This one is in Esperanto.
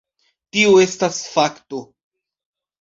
Tio estas fakto.